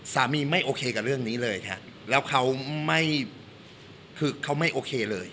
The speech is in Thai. ไม่โอเคกับเรื่องนี้เลยค่ะแล้วเขาไม่คือเขาไม่โอเคเลย